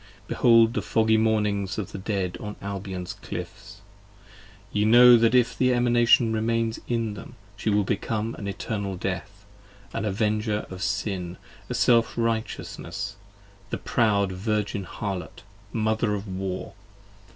Behold the foggy mornings of the Dead on Albion's cliffs: Ye know that if the Emanation remains in them 15 She will become an Eternal Death, an Avenger of Sin, A Self righteousness: the proud Virgin Harlot! Mother of War!